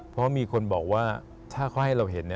เพราะมีคนบอกว่าถ้าเขาให้เราเห็น